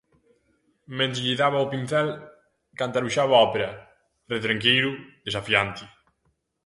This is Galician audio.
Mentres lle daba ó pincel cantaruxaba ópera, retranqueiro, desafiante.